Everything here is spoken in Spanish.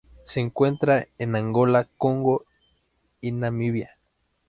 Se encuentra en Angola, Congo y Namibia.